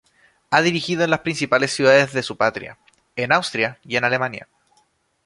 Ha dirigido en las principales ciudades de su patria, en Austria y en Alemania.